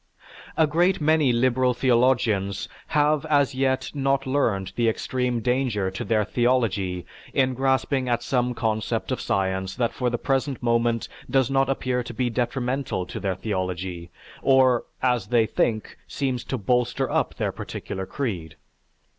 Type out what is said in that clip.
A great many liberal theologians have as yet not learned the extreme danger to their theology in grasping at some concept of science that for the present moment does not appear to be detrimental to their theology, or, as they think, seems to bolster up their particular creed.